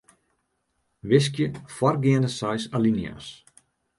Wiskje foargeande seis alinea's.